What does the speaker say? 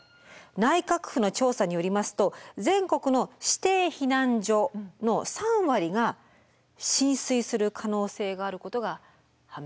内閣府の調査によりますと全国の指定避難所の３割が浸水する可能性があることが判明しています。